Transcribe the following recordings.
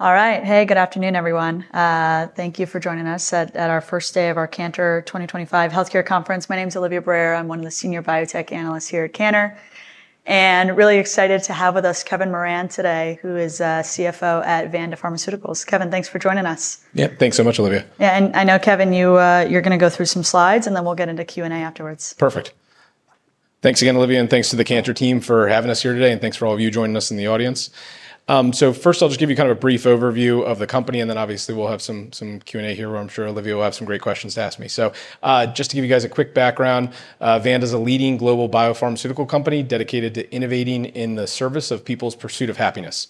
All right. Hey, good afternoon, everyone. Thank you for joining us at our first day of our Cantor 2025 Healthcare Conference. My name is Olivia Brayer. I'm one of the senior biotech analysts here at Cantor, and really excited to have with us Kevin Moran today, who is CFO at Vanda Pharmaceuticals. Kevin, thanks for joining us. Yeah, thanks so much, Olivia. Yeah, and I know, Kevin, you're going to go through some slides, and then we'll get into Q&A afterwards. Perfect. Thanks again, Olivia, and thanks to the Cantor team for having us here today, and thanks for all of you joining us in the audience. So first, I'll just give you kind of a brief overview of the company, and then obviously we'll have some Q&A here, where I'm sure Olivia will have some great questions to ask me. So just to give you guys a quick background, Vanda is a leading global biopharmaceutical company dedicated to innovating in the service of people's pursuit of happiness.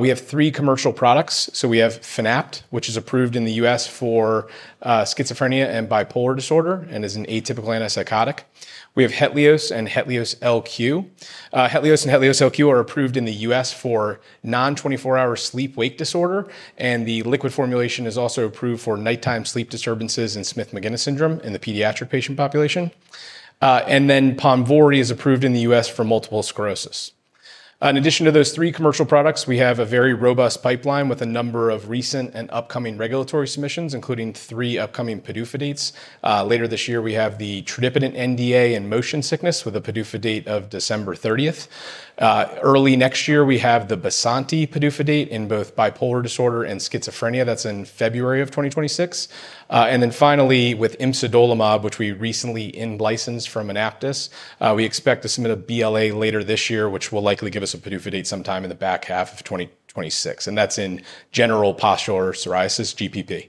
We have three commercial products. So we have Fanapt, which is approved in the U.S. for schizophrenia and bipolar disorder, and is an atypical antipsychotic. We have Hetlioz and Hetlioz LQ. Hetlioz and Hetlioz LQ are approved in the U.S. for non-24-hour sleep-wake disorder, and the liquid formulation is also approved for nighttime sleep disturbances and Smith-Magenis syndrome in the pediatric patient population. And then Ponvory is approved in the U.S. for multiple sclerosis. In addition to those three commercial products, we have a very robust pipeline with a number of recent and upcoming regulatory submissions, including three upcoming PDUFA dates. Later this year, we have the tradipitant NDA in motion sickness with a PDUFA date of December 30th. Early next year, we have the milsaperidone PDUFA date in both bipolar disorder and schizophrenia. That's in February of 2026. And then finally, with imsidolimab, which we recently in-licensed from Cycle Pharmaceuticals, we expect to submit a BLA later this year, which will likely give us a PDUFA date sometime in the back half of 2026. And that's in Generalized Pustular Psoriasis (GPP).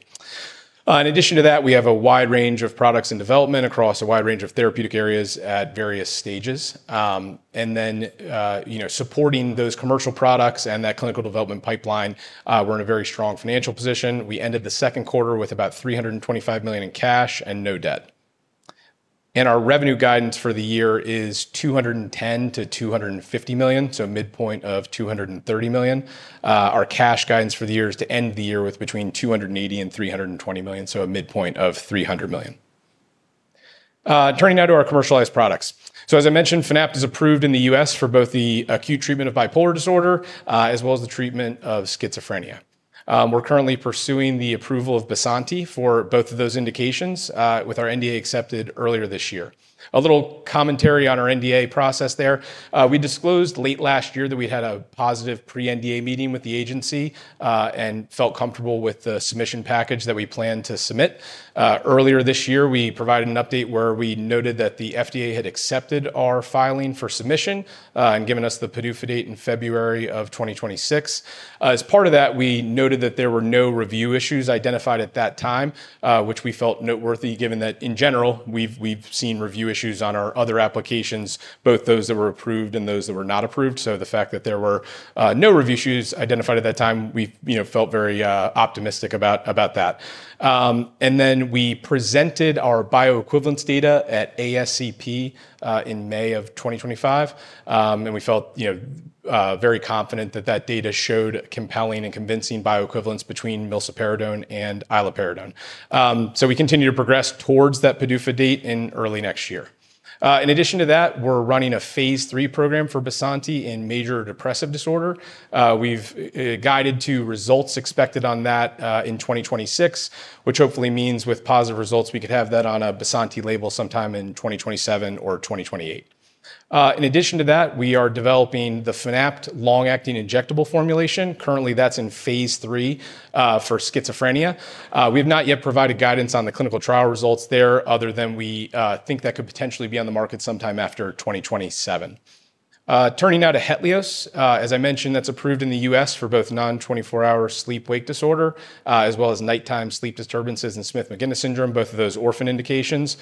In addition to that, we have a wide range of products in development across a wide range of therapeutic areas at various stages. And then supporting those commercial products and that clinical development pipeline, we're in a very strong financial position. We ended the second quarter with about $325 million in cash and no debt. Our revenue guidance for the year is $210-$250 million, so midpoint of $230 million. Our cash guidance for the year is to end the year with between $280 and $320 million, so a midpoint of $300 million. Turning now to our commercialized products. As I mentioned, Fanapt is approved in the U.S. for both the acute treatment of bipolar disorder as well as the treatment of schizophrenia. We're currently pursuing the approval of milsaperidone for both of those indications with our NDA accepted earlier this year. A little commentary on our NDA process there. We disclosed late last year that we had a positive pre-NDA meeting with the agency and felt comfortable with the submission package that we planned to submit. Earlier this year, we provided an update where we noted that the FDA had accepted our filing for submission and given us the PDUFA date in February of 2026. As part of that, we noted that there were no review issues identified at that time, which we felt noteworthy given that in general, we've seen review issues on our other applications, both those that were approved and those that were not approved. So the fact that there were no review issues identified at that time, we felt very optimistic about that. And then we presented our bioequivalence data at ASCP in May of 2025, and we felt very confident that that data showed compelling and convincing bioequivalence between milsaperidone and iloperidone. We continue to progress towards that PDUFA date in early next year. In addition to that, we're running a phase III program for milsaperidone in major depressive disorder. We've guided to results expected on that in 2026, which hopefully means with positive results, we could have that on a milsaperidone label sometime in 2027 or 2028. In addition to that, we are developing the Fanapt long-acting injectable formulation. Currently, that's in phase III for schizophrenia. We have not yet provided guidance on the clinical trial results there other than we think that could potentially be on the market sometime after 2027. Turning now to Hetlioz. As I mentioned, that's approved in the U.S. for both non-24-hour sleep-wake disorder as well as nighttime sleep disturbances and Smith-Magenis syndrome, both of those orphan indications.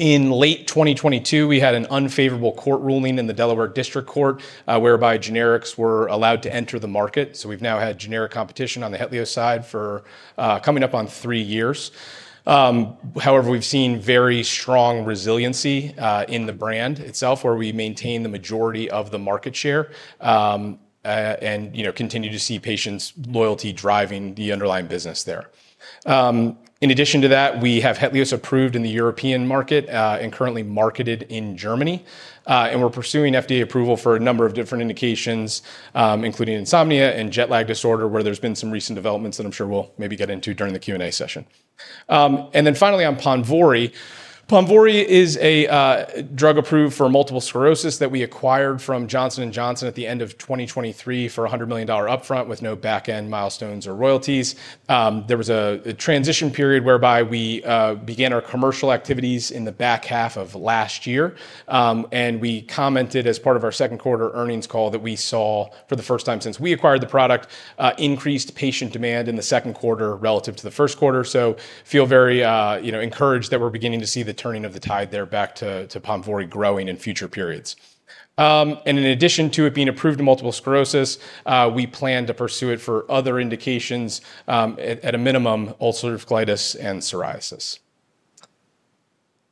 In late 2022, we had an unfavorable court ruling in the Delaware District Court whereby generics were allowed to enter the market. So we've now had generic competition on the Hetlioz side for coming up on three years. However, we've seen very strong resiliency in the brand itself, where we maintain the majority of the market share and continue to see patients' loyalty driving the underlying business there. In addition to that, we have Hetlioz approved in the European market and currently marketed in Germany. And we're pursuing FDA approval for a number of different indications, including insomnia and jet lag disorder, where there's been some recent developments that I'm sure we'll maybe get into during the Q&A session. And then finally on Ponvory. Ponvory is a drug approved for multiple sclerosis that we acquired from Johnson & Johnson at the end of 2023 for a $100 million upfront with no back-end milestones or royalties. There was a transition period whereby we began our commercial activities in the back half of last year. And we commented as part of our second quarter earnings call that we saw for the first time since we acquired the product, increased patient demand in the second quarter relative to the first quarter. So feel very encouraged that we're beginning to see the turning of the tide there back to Ponvory growing in future periods. And in addition to it being approved in multiple sclerosis, we plan to pursue it for other indications at a minimum, ulcerative colitis and psoriasis.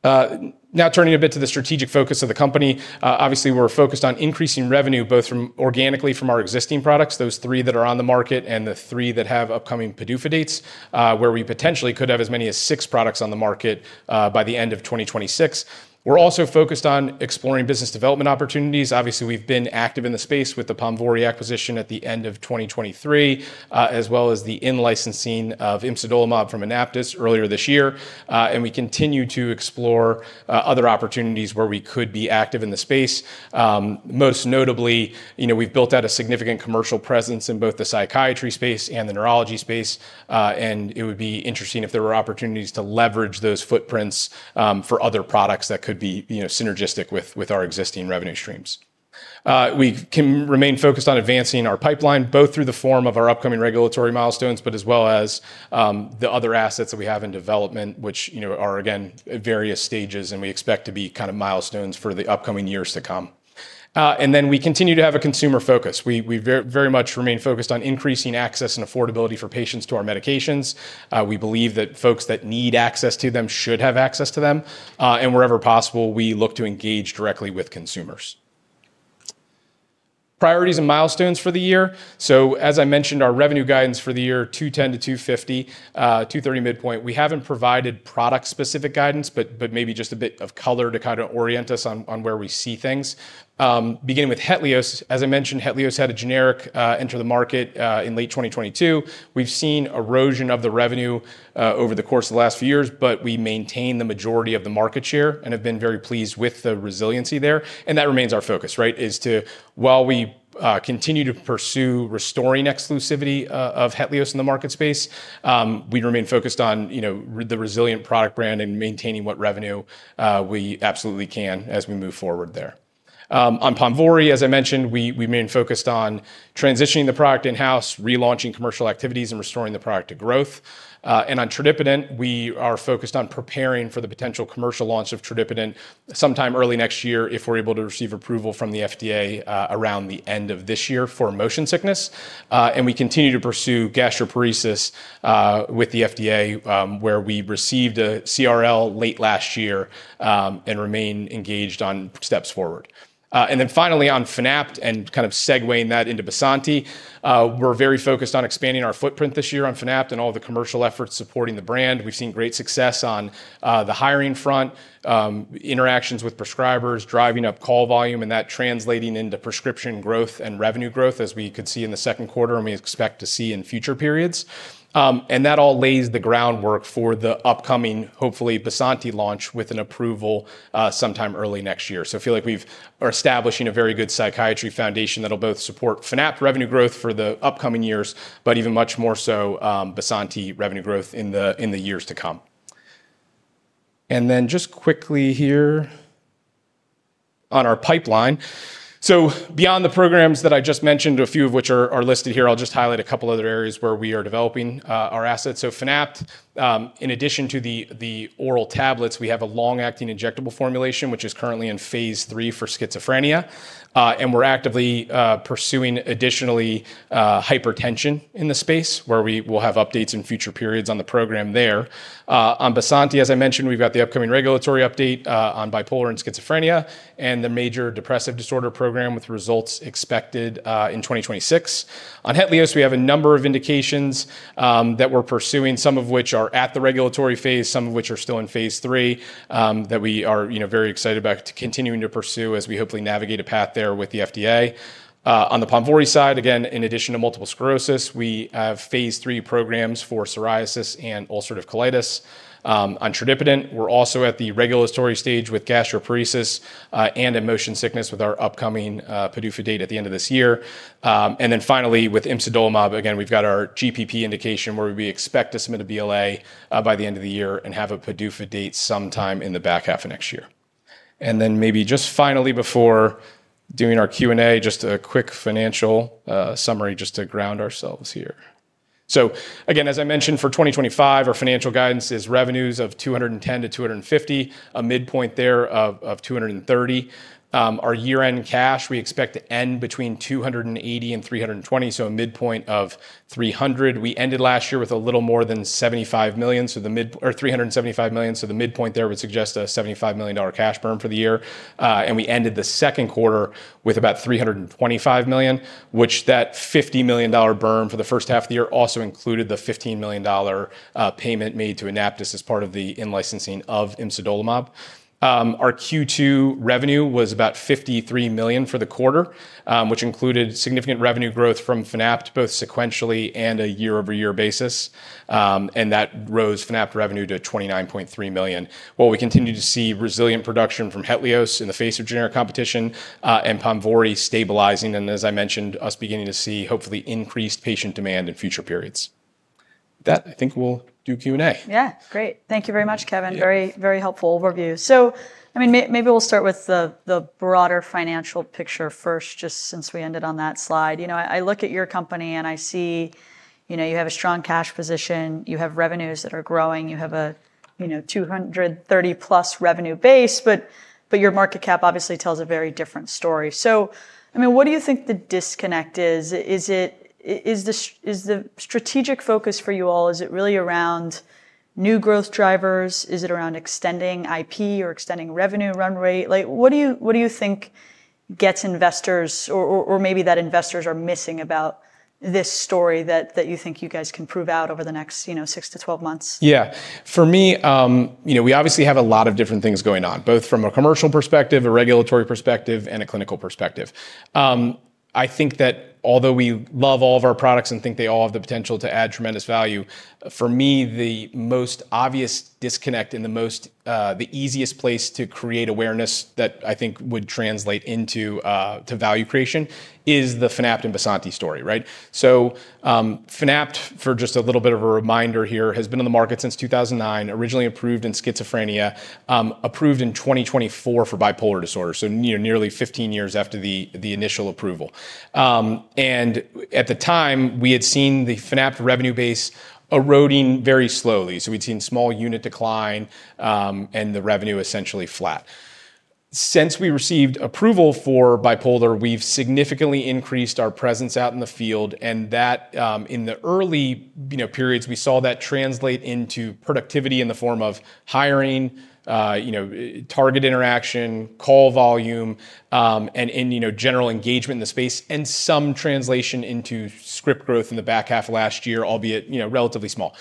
Now turning a bit to the strategic focus of the company, obviously we're focused on increasing revenue both organically from our existing products, those three that are on the market and the three that have upcoming PDUFA dates, where we potentially could have as many as six products on the market by the end of 2026. We're also focused on exploring business development opportunities. Obviously, we've been active in the space with the Ponvory acquisition at the end of 2023, as well as the in-licensing of imsidolimab from Cycle Pharmaceuticals earlier this year. And we continue to explore other opportunities where we could be active in the space. Most notably, we've built out a significant commercial presence in both the psychiatry space and the neurology space. And it would be interesting if there were opportunities to leverage those footprints for other products that could be synergistic with our existing revenue streams. We can remain focused on advancing our pipeline both through the form of our upcoming regulatory milestones, but as well as the other assets that we have in development, which are, again, various stages, and we expect to be kind of milestones for the upcoming years to come. And then we continue to have a consumer focus. We very much remain focused on increasing access and affordability for patients to our medications. We believe that folks that need access to them should have access to them. And wherever possible, we look to engage directly with consumers. Priorities and milestones for the year. So as I mentioned, our revenue guidance for the year, $210-$250, $230 midpoint. We haven't provided product-specific guidance, but maybe just a bit of color to kind of orient us on where we see things. Beginning with Hetlioz, as I mentioned, Hetlioz had a generic enter the market in late 2022. We've seen erosion of the revenue over the course of the last few years, but we maintain the majority of the market share and have been very pleased with the resiliency there. And that remains our focus, right, is to, while we continue to pursue restoring exclusivity of Hetlioz in the market space, we remain focused on the resilient product brand and maintaining what revenue we absolutely can as we move forward there. On Ponvory, as I mentioned, we remain focused on transitioning the product in-house, relaunching commercial activities, and restoring the product to growth. And on tradipitant, we are focused on preparing for the potential commercial launch of tradipitant sometime early next year if we're able to receive approval from the FDA around the end of this year for motion sickness. And we continue to pursue gastroparesis with the FDA, where we received a CRL late last year and remain engaged on steps forward. And then finally on Fanapt and kind of segueing that into milsaperidone, we're very focused on expanding our footprint this year on Fanapt and all the commercial efforts supporting the brand. We've seen great success on the hiring front, interactions with prescribers, driving up call volume, and that translating into prescription growth and revenue growth, as we could see in the second quarter and we expect to see in future periods. And that all lays the groundwork for the upcoming, hopefully, milsaperidone launch with an approval sometime early next year. So I feel like we're establishing a very good psychiatry foundation that'll both support Fanapt revenue growth for the upcoming years, but even much more so milsaperidone revenue growth in the years to come. And then just quickly here on our pipeline. So beyond the programs that I just mentioned, a few of which are listed here, I'll just highlight a couple of other areas where we are developing our assets. So Fanapt, in addition to the oral tablets, we have a long-acting injectable formulation, which is currently in phase III for schizophrenia. And we're actively pursuing additionally hypertension in the space, where we will have updates in future periods on the program there. On milsaperidone, as I mentioned, we've got the upcoming regulatory update on bipolar and schizophrenia and the major depressive disorder program with results expected in 2026. On Hetlioz, we have a number of indications that we're pursuing, some of which are at the regulatory phase, some of which are still in phase III that we are very excited about continuing to pursue as we hopefully navigate a path there with the FDA. On the Ponvory side, again, in addition to multiple sclerosis, we have phase III programs for psoriasis and ulcerative colitis. On tradipitant, we're also at the regulatory stage with gastroparesis and motion sickness with our upcoming PDUFA date at the end of this year. And then finally, with imsidolimab, again, we've got our GPP indication where we expect to submit a BLA by the end of the year and have a PDUFA date sometime in the back half of next year. And then maybe just finally before doing our Q&A, just a quick financial summary just to ground ourselves here. So again, as I mentioned, for 2025, our financial guidance is revenues of $210-$250, a midpoint there of $230. Our year-end cash, we expect to end between $280 and $320, so a midpoint of $300. We ended last year with a little more than $375 million, so the midpoint there would suggest a $75 million cash burn for the year. And we ended the second quarter with about $325 million, which $50 million burn for the first half of the year also included the $15 million payment made to Cycle Pharmaceuticals as part of the in-licensing of imsidolimab. Our Q2 revenue was about $53 million for the quarter, which included significant revenue growth from Fanapt both sequentially and year-over-year basis. And that rose Fanapt revenue to $29.3 million. We continue to see resilient production from Hetlioz in the face of generic competition and Ponvory stabilizing. And as I mentioned, us beginning to see hopefully increased patient demand in future periods. That I think we'll do Q&A. Yeah, great. Thank you very much, Kevin. Very, very helpful overview. So I mean, maybe we'll start with the broader financial picture first, just since we ended on that slide. I look at your company and I see you have a strong cash position. You have revenues that are growing. You have a 230+ revenue base, but your market cap obviously tells a very different story. So I mean, what do you think the disconnect is? Is the strategic focus for you all, is it really around new growth drivers? Is it around extending IP or extending revenue run rate? What do you think gets investors or maybe that investors are missing about this story that you think you guys can prove out over the next six to 12 months? Yeah. For me, we obviously have a lot of different things going on, both from a commercial perspective, a regulatory perspective, and a clinical perspective. I think that although we love all of our products and think they all have the potential to add tremendous value, for me, the most obvious disconnect and the most, the easiest place to create awareness that I think would translate into value creation is the Fanapt and milsaperidone story, right? So Fanapt, for just a little bit of a reminder here, has been on the market since 2009, originally approved in schizophrenia, approved in 2024 for bipolar disorder, so nearly 15 years after the initial approval. And at the time, we had seen the Fanapt revenue base eroding very slowly. So we'd seen small unit decline and the revenue essentially flat. Since we received approval for bipolar, we've significantly increased our presence out in the field. And that in the early periods, we saw that translate into productivity in the form of hiring, target interaction, call volume, and general engagement in the space, and some translation into script growth in the back half of last year, albeit relatively small.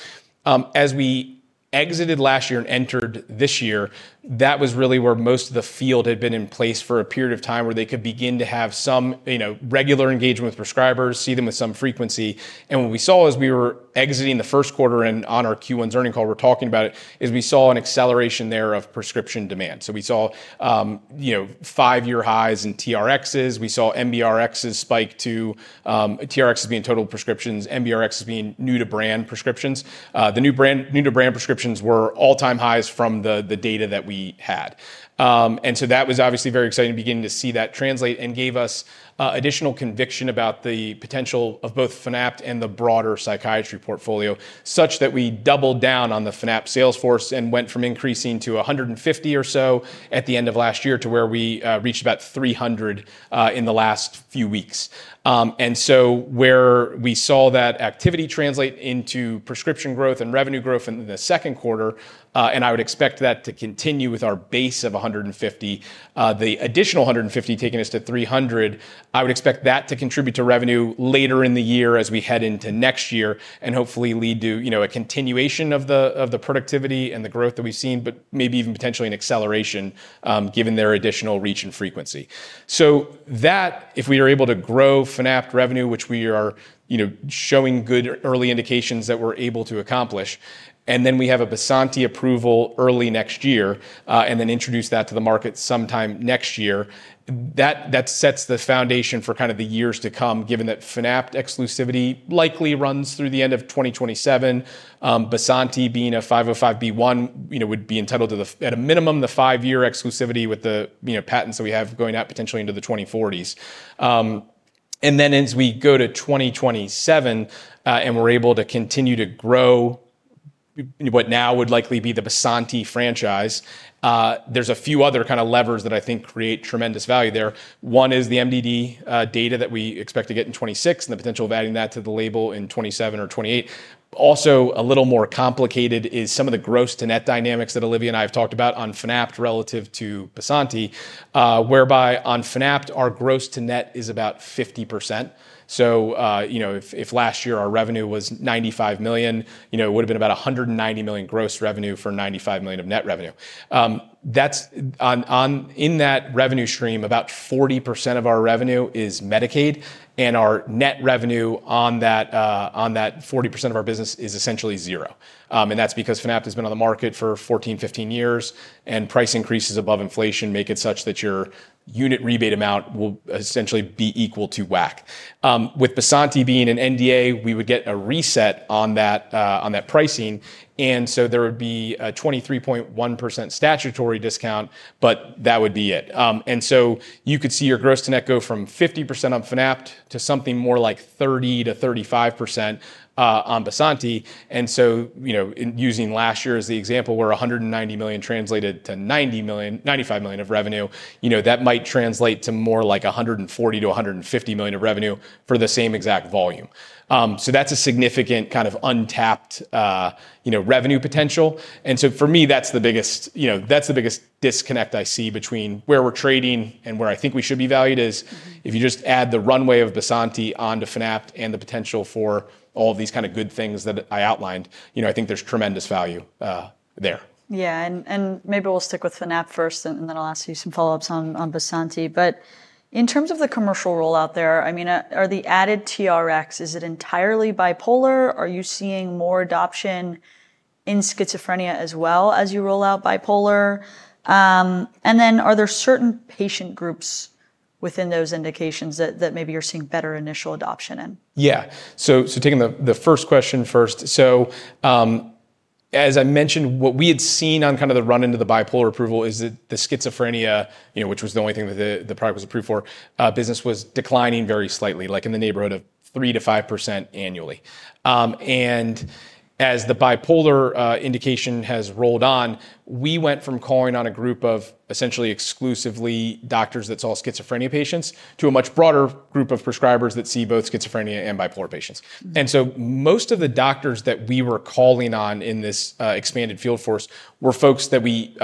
As we exited last year and entered this year, that was really where most of the field had been in place for a period of time where they could begin to have some regular engagement with prescribers, see them with some frequency. What we saw as we were exiting the first quarter and on our Q1 earnings call, we're talking about it, is we saw an acceleration there of prescription demand. So we saw five-year highs in TRXs. We saw MBRXs spike to TRXs being total prescriptions, MBRXs being new-to-brand prescriptions. The new-to-brand prescriptions were all-time highs from the data that we had. And so that was obviously very exciting to begin to see that translate and gave us additional conviction about the potential of both Fanapt and the broader psychiatry portfolio, such that we doubled down on the Fanapt sales force and went from increasing to 150 or so at the end of last year to where we reached about 300 in the last few weeks. And so, where we saw that activity translate into prescription growth and revenue growth in the second quarter, and I would expect that to continue with our base of 150, the additional 150 taking us to 300. I would expect that to contribute to revenue later in the year as we head into next year and hopefully lead to a continuation of the productivity and the growth that we've seen, but maybe even potentially an acceleration given their additional reach and frequency. So that, if we are able to grow Fanapt revenue, which we are showing good early indications that we're able to accomplish, and then we have a milsaperidone approval early next year and then introduce that to the market sometime next year, that sets the foundation for kind of the years to come, given that Fanapt exclusivity likely runs through the end of 2027, milsaperidone being a 505(b)(1) would be entitled to, at a minimum, the five-year exclusivity with the patents that we have going out potentially into the 2040s. And then as we go to 2027 and we're able to continue to grow what now would likely be the milsaperidone franchise, there's a few other kind of levers that I think create tremendous value there. One is the MDD data that we expect to get in 2026 and the potential of adding that to the label in 2027 or 2028. Also, a little more complicated is some of the gross-to-net dynamics that Olivia and I have talked about on Fanapt relative to Bysanti, whereby on Fanapt, our gross-to-net is about 50%. So if last year our revenue was $95 million, it would have been about $190 million gross revenue for $95 million of net revenue. In that revenue stream, about 40% of our revenue is Medicaid, and our net revenue on that 40% of our business is essentially zero, and that's because Fanapt has been on the market for 14, 15 years, and price increases above inflation make it such that your unit rebate amount will essentially be equal to WAC. With Bysanti being an NDA, we would get a reset on that pricing. And so there would be a 23.1% statutory discount, but that would be it. And so you could see your gross-to-net go from 50% on Fanapt to something more like 30%-35% on milsaperidone. And so using last year as the example, where $190 million translated to $95 million of revenue, that might translate to more like $140-$150 million of revenue for the same exact volume. So that's a significant kind of untapped revenue potential. And so for me, that's the biggest disconnect I see between where we're trading and where I think we should be valued is if you just add the runway of milsaperidone onto Fanapt and the potential for all of these kind of good things that I outlined, I think there's tremendous value there. Yeah. And maybe we'll stick with Fanapt first, and then I'll ask you some follow-ups on milsaperidone. But in terms of the commercial rollout there, I mean, are the added TRX, is it entirely bipolar? Are you seeing more adoption in schizophrenia as well as you roll out bipolar? And then are there certain patient groups within those indications that maybe you're seeing better initial adoption in? Yeah. So taking the first question first, so as I mentioned, what we had seen on kind of the run into the bipolar approval is that the schizophrenia, which was the only thing that the product was approved for, business was declining very slightly, like in the neighborhood of 3%-5% annually. And as the bipolar indication has rolled on, we went from calling on a group of essentially exclusively doctors that saw schizophrenia patients to a much broader group of prescribers that see both schizophrenia and bipolar patients. And so most of the doctors that we were calling on in this expanded field force were folks that we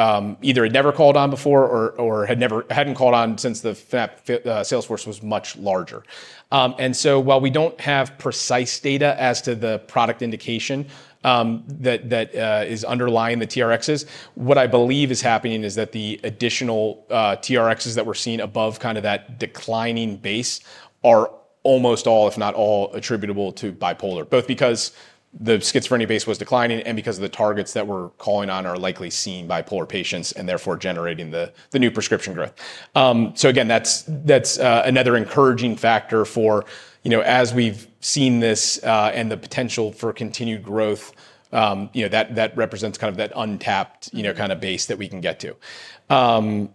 either had never called on before or hadn't called on since the Fanapt sales force was much larger. And so while we don't have precise data as to the product indication that is underlying the TRXs, what I believe is happening is that the additional TRXs that we're seeing above kind of that declining base are almost all, if not all, attributable to bipolar, both because the schizophrenia base was declining and because of the targets that we're calling on are likely seeing bipolar patients and therefore generating the new prescription growth. So again, that's another encouraging factor for as we've seen this and the potential for continued growth, that represents kind of that untapped kind of base that we can get to.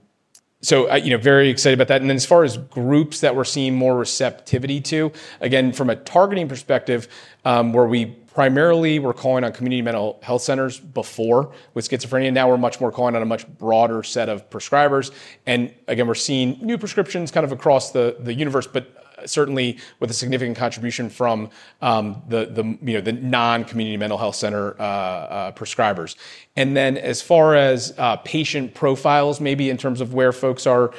So very excited about that. And then as far as groups that we're seeing more receptivity to, again, from a targeting perspective, where we primarily were calling on community mental health centers before with schizophrenia, now we're much more calling on a much broader set of prescribers. And again, we're seeing new prescriptions kind of across the universe, but certainly with a significant contribution from the non-community mental health center prescribers. And then as far as patient profiles, maybe in terms of where folks are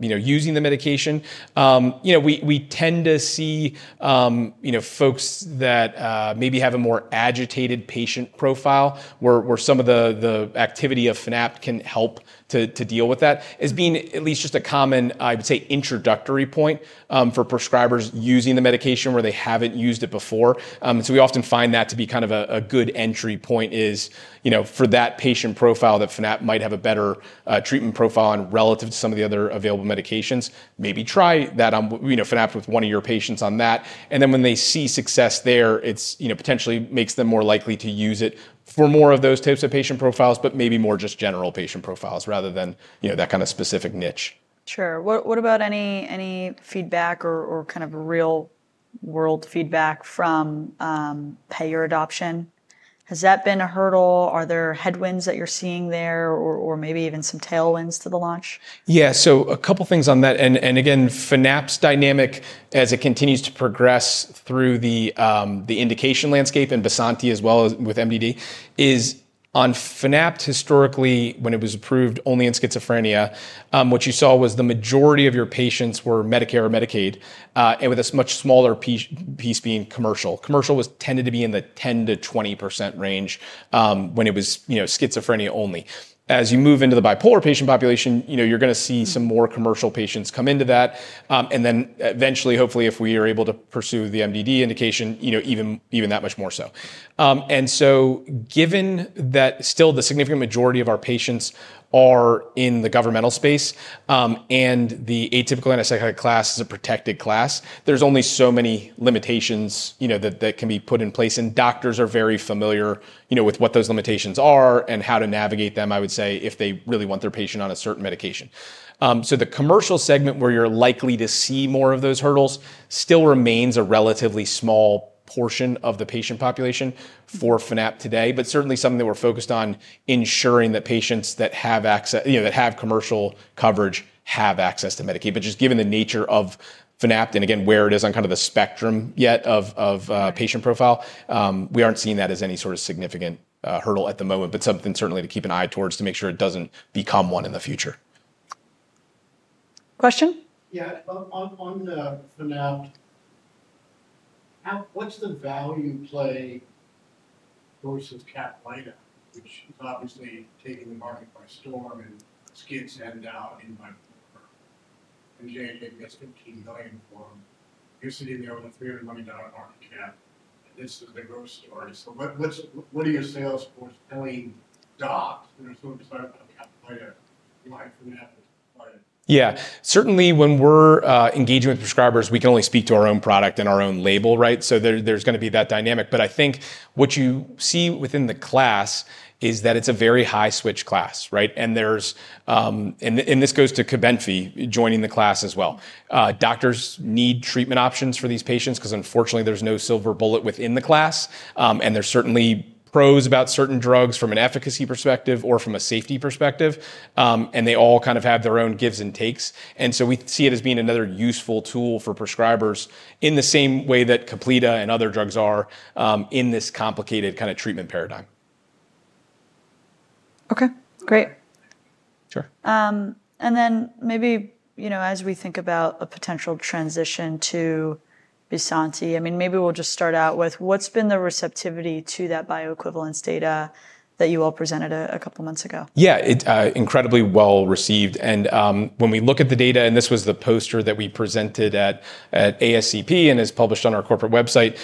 using the medication, we tend to see folks that maybe have a more agitated patient profile where some of the activity of Fanapt can help to deal with that as being at least just a common, I would say, introductory point for prescribers using the medication where they haven't used it before. And so we often find that to be kind of a good entry point is for that patient profile that Fanapt might have a better treatment profile on relative to some of the other available medications, maybe try that on Fanapt with one of your patients on that. And then when they see success there, it potentially makes them more likely to use it for more of those types of patient profiles, but maybe more just general patient profiles rather than that kind of specific niche. Sure. What about any feedback or kind of real-world feedback from payer adoption? Has that been a hurdle? Are there headwinds that you're seeing there or maybe even some tailwinds to the launch? Yeah. So a couple of things on that. And again, Fanapt's dynamic as it continues to progress through the indication landscape and milsaperidone as well as with MDD is on Fanapt. Historically, when it was approved only in schizophrenia, what you saw was the majority of your patients were Medicare or Medicaid, with a much smaller piece being commercial. Commercial tended to be in the 10%-20% range when it was schizophrenia only. As you move into the bipolar patient population, you're going to see some more commercial patients come into that. And then eventually, hopefully, if we are able to pursue the MDD indication, even that much more so. And so given that still the significant majority of our patients are in the governmental space and the atypical antipsychotic class is a protected class, there's only so many limitations that can be put in place. And doctors are very familiar with what those limitations are and how to navigate them, I would say, if they really want their patient on a certain medication. So the commercial segment where you're likely to see more of those hurdles still remains a relatively small portion of the patient population for Fanapt today, but certainly something that we're focused on ensuring that patients that have commercial coverage have access to Medicaid. But just given the nature of Fanapt and again, where it is on kind of the spectrum yet of patient profile, we aren't seeing that as any sort of significant hurdle at the moment, but something certainly to keep an eye towards to make sure it doesn't become one in the future. Question? Yeah. On the Fanapt, what's the value play versus Caplyta, which is obviously taking the market by storm and it's indicated in bipolar? JJ gets $15 million for them. You're sitting there with a $300 million market cap. This is the growth story. What are your sales force telling docs? There's no discussion about Caplyta. Why Fanapt is Caplyta? Yeah. Certainly, when we're engaging with prescribers, we can only speak to our own product and our own label, right? There's going to be that dynamic. But I think what you see within the class is that it's a very high-switch class, right? This goes to Cobenfy joining the class as well. Doctors need treatment options for these patients because, unfortunately, there's no silver bullet within the class. And there's certainly pros about certain drugs from an efficacy perspective or from a safety perspective. They all kind of have their own gives and takes. And so we see it as being another useful tool for prescribers in the same way that Caplyta and other drugs are in this complicated kind of treatment paradigm. Okay. Great. Sure. And then maybe as we think about a potential transition to milsaperidone, I mean, maybe we'll just start out with what's been the receptivity to that bioequivalence data that you all presented a couple of months ago? Yeah. Incredibly well received. And when we look at the data, and this was the poster that we presented at ASCP and is published on our corporate website,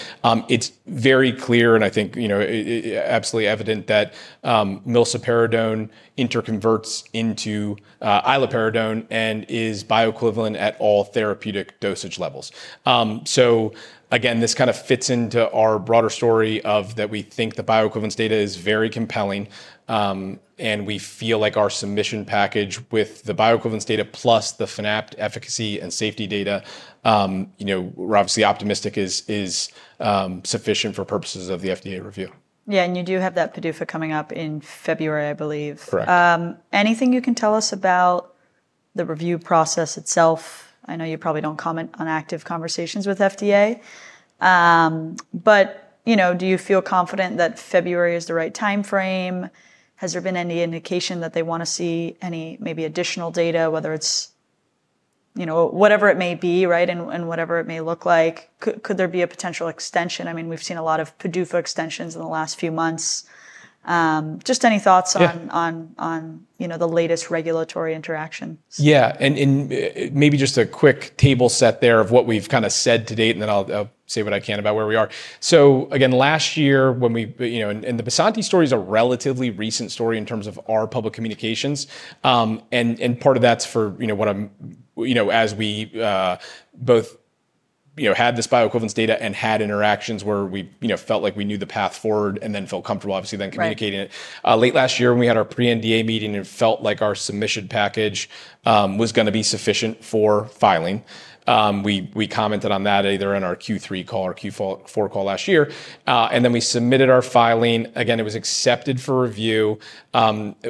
it's very clear and I think absolutely evident that milsaperidone interconverts into iloperidone and is bioequivalent at all therapeutic dosage levels. So again, this kind of fits into our broader story of that we think the bioequivalence data is very compelling. And we feel like our submission package with the bioequivalence data plus the Fanapt efficacy and safety data, we're obviously optimistic is sufficient for purposes of the FDA review. Yeah. And you do have that PDUFA coming up in February, I believe. Correct. Anything you can tell us about the review process itself? I know you probably don't comment on active conversations with FDA. But do you feel confident that February is the right timeframe? Has there been any indication that they want to see any maybe additional data, whether it's whatever it may be, right, and whatever it may look like? Could there be a potential extension? I mean, we've seen a lot of PDUFA extensions in the last few months. Just any thoughts on the latest regulatory interactions? Yeah. Maybe just a quick table set there of what we've kind of said to date, and then I'll say what I can about where we are. Again, last year when we and the milsaperidone story is a relatively recent story in terms of our public communications. Part of that's for what I'm as we both had this bioequivalence data and had interactions where we felt like we knew the path forward and then felt comfortable, obviously, then communicating it. Late last year, when we had our pre-NDA meeting, it felt like our submission package was going to be sufficient for filing. We commented on that either in our Q3 call or Q4 call last year. We submitted our filing. Again, it was accepted for review.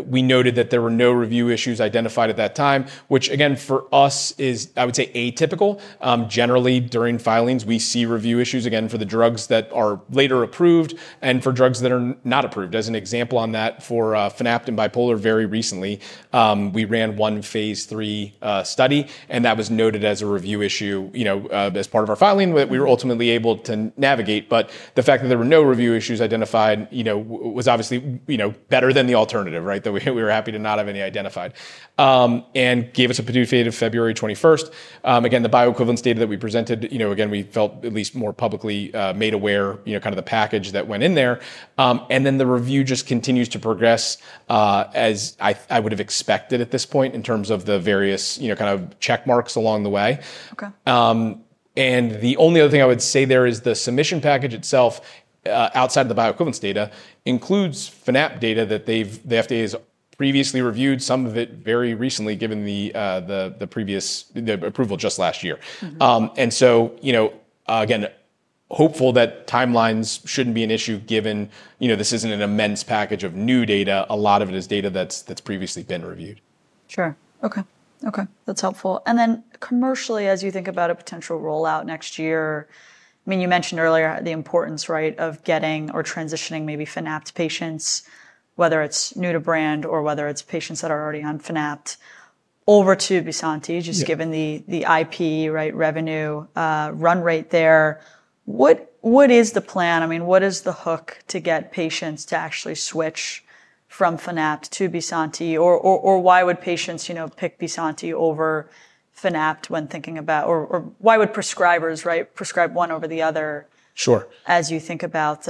We noted that there were no review issues identified at that time, which, again, for us is, I would say, atypical. Generally, during filings, we see review issues, again, for the drugs that are later approved and for drugs that are not approved. As an example on that for Fanapt and bipolar, very recently, we ran one phase III study, and that was noted as a review issue as part of our filing that we were ultimately able to navigate. But the fact that there were no review issues identified was obviously better than the alternative, right, that we were happy to not have any identified and gave us a PDUFA date of February 21st. Again, the bioequivalence data that we presented, again, we felt at least more publicly made aware kind of the package that went in there. And then the review just continues to progress as I would have expected at this point in terms of the various kind of checkmarks along the way. And the only other thing I would say there is the submission package itself, outside of the bioequivalence data, includes Fanapt data that the FDA has previously reviewed, some of it very recently given the approval just last year. And so again, hopeful that timelines shouldn't be an issue given this isn't an immense package of new data. A lot of it is data that's previously been reviewed. Sure. Okay. Okay. That's helpful. And then commercially, as you think about a potential rollout next year, I mean, you mentioned earlier the importance, right, of getting or transitioning maybe Fanapt patients, whether it's new to brand or whether it's patients that are already on Fanapt over to milsaperidone, just given the IP, right, revenue run rate there. What is the plan? I mean, what is the hook to get patients to actually switch from Fanapt to milsaperidone? Or why would patients pick milsaperidone over Fanapt when thinking about or why would prescribers, right, prescribe one over the other as you think about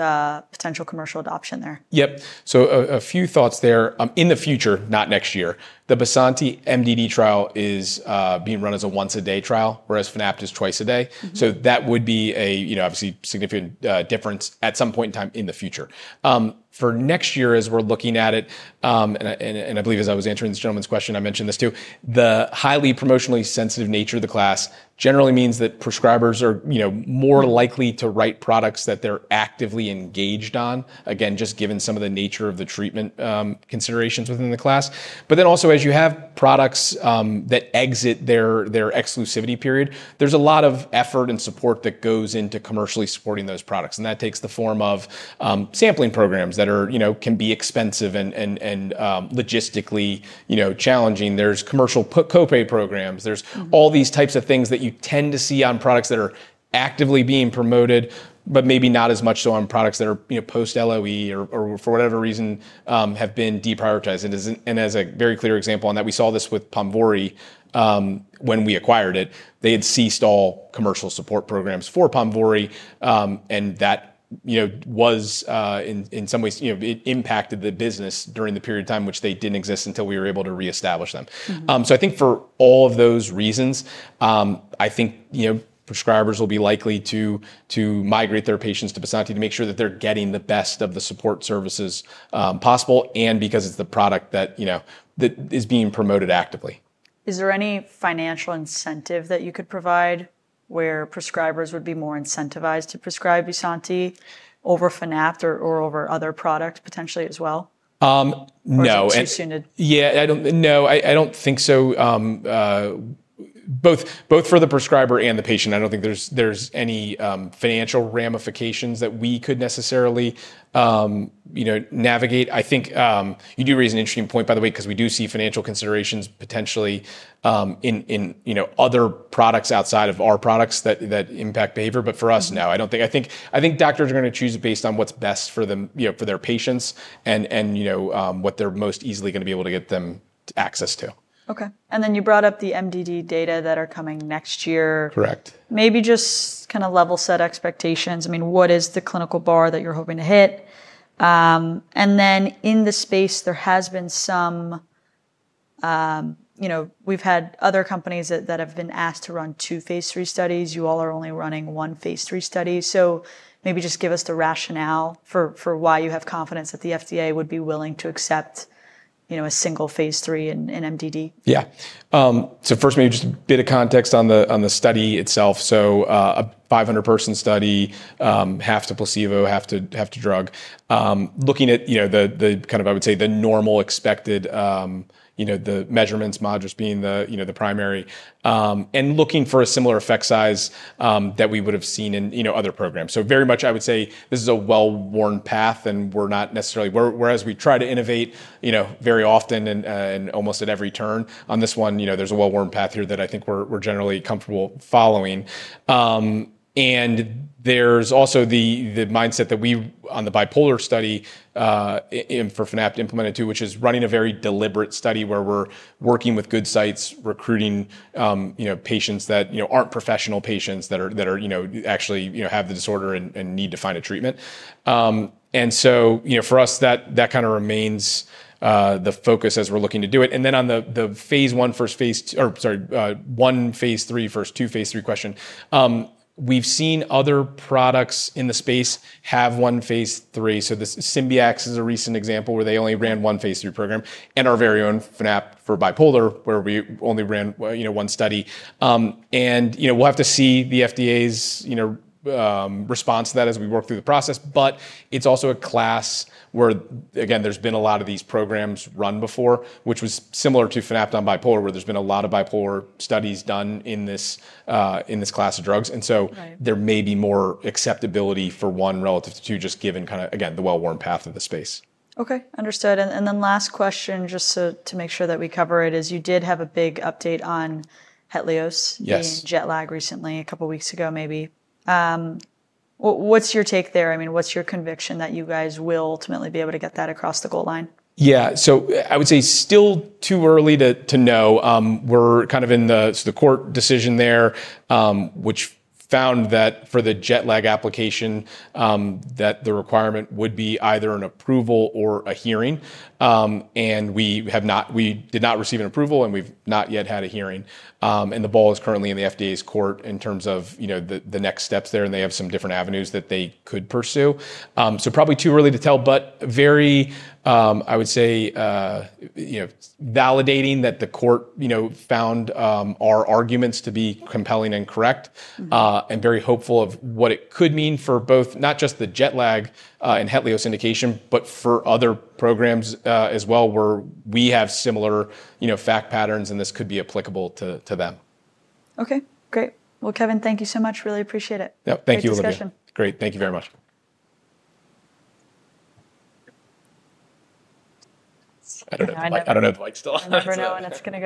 potential commercial adoption there? Yep. So a few thoughts there. In the future, not next year, the milsaperidone MDD trial is being run as a once-a-day trial, whereas Fanapt is twice a day. So that would be a obviously significant difference at some point in time in the future. For next year, as we're looking at it, and I believe as I was answering this gentleman's question, I mentioned this too, the highly promotionally sensitive nature of the class generally means that prescribers are more likely to write products that they're actively engaged on, again, just given some of the nature of the treatment considerations within the class. But then also, as you have products that exit their exclusivity period, there's a lot of effort and support that goes into commercially supporting those products. And that takes the form of sampling programs that can be expensive and logistically challenging. There's commercial copay programs. There's all these types of things that you tend to see on products that are actively being promoted, but maybe not as much so on products that are post-LOE or for whatever reason have been deprioritized. And as a very clear example on that, we saw this with Ponvory. When we acquired it, they had ceased all commercial support programs for Ponvory. And that was, in some ways, it impacted the business during the period of time which they didn't exist until we were able to reestablish them. So I think for all of those reasons, I think prescribers will be likely to migrate their patients to milsaperidone to make sure that they're getting the best of the support services possible and because it's the product that is being promoted actively. Is there any financial incentive that you could provide where prescribers would be more incentivized to prescribemilsaperidone over Fanapt or over other products potentially as well? No. Yeah. No, I don't think so. Both for the prescriber and the patient, I don't think there's any financial ramifications that we could necessarily navigate. I think you do raise an interesting point, by the way, because we do see financial considerations potentially in other products outside of our products that impact behavior. But for us, no, I don't think. I think doctors are going to choose it based on what's best for their patients and what they're most easily going to be able to get them access to. Okay. And then you brought up the MDD data that are coming next year. Correct. Maybe just kind of level-set expectations. I mean, what is the clinical bar that you're hoping to hit? And then in the space, there has been some, we've had other companies that have been asked to run two phase III studies. You all are only running one phase III study. So maybe just give us the rationale for why you have confidence that the FDA would be willing to accept a single phase III in MDD. Yeah. So first, maybe just a bit of context on the study itself. So a 500-person study, half to placebo, half to drug. Looking at the kind of, I would say, the normal expected, the measurements, MADRS just being the primary, and looking for a similar effect size that we would have seen in other programs. So very much, I would say, this is a well-worn path, and we're not necessarily whereas we try to innovate very often and almost at every turn. On this one, there's a well-worn path here that I think we're generally comfortable following. There's also the mindset that we on the bipolar study for Fanapt implemented too, which is running a very deliberate study where we're working with good sites, recruiting patients that aren't professional patients that actually have the disorder and need to find a treatment. So for us, that kind of remains the focus as we're looking to do it. Then on the phase I, first phase or sorry, one phase III, first two phase III question, we've seen other products in the space have one phase III. So Symbyax is a recent example where they only ran one phase III program and our very own Fanapt for bipolar where we only ran one study. We'll have to see the FDA's response to that as we work through the process. But it's also a class where, again, there's been a lot of these programs run before, which was similar to Fanapt on bipolar where there's been a lot of bipolar studies done in this class of drugs. And so there may be more acceptability for one relative to two just given kind of, again, the well-worn path of the space. Okay. Understood. And then last question just to make sure that we cover it is you did have a big update on Hetlioz in jet lag recently, a couple of weeks ago maybe. What's your take there? I mean, what's your conviction that you guys will ultimately be able to get that across the goal line? Yeah. So I would say still too early to know. We're kind of in the court decision there, which found that for the jet lag application, that the requirement would be either an approval or a hearing. And we did not receive an approval, and we've not yet had a hearing. And the ball is currently in the FDA's court in terms of the next steps there, and they have some different avenues that they could pursue. So probably too early to tell, but very, I would say, validating that the court found our arguments to be compelling and correct and very hopeful of what it could mean for both not just the jet lag and Hetlioz indication, but for other programs as well where we have similar fact patterns, and this could be applicable to them. Okay. Great. Well, Kevin, thank you so much. Really appreciate it. Yep. Thank you for the discussion. Great. Thank you very much.I don't know if the mic's still on. I never know when it's going to.